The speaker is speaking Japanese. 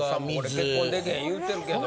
結婚できへん言うてるけど。